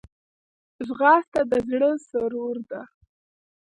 ځغاسته د زړه سرور ده